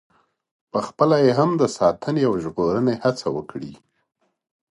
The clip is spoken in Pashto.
پخپله یې هم د ساتنې او ژغورنې هڅه وکړي.